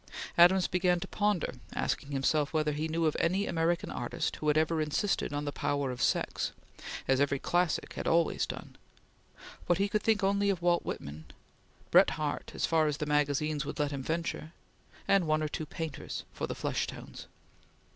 Adams began to ponder, asking himself whether he knew of any American artist who had ever insisted on the power of sex, as every classic had always done; but he could think only of Walt Whitman; Bret Harte, as far as the magazines would let him venture; and one or two painters, for the flesh tones.